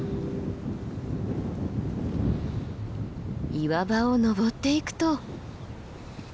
岩場を登っていくと。